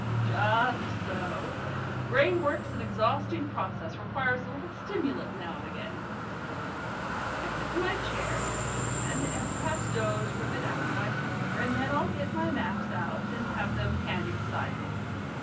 "Just so. Brain work's an exhausting process; requires a little stimulant now and again," said Puffin. "I sit in my chair, you understand, and perhaps doze for a bit after my supper, and then I'll get my maps out, and have them handy beside me.